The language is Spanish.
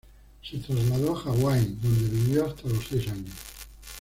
Se trasladó a Hawái, donde vivió hasta los seis años.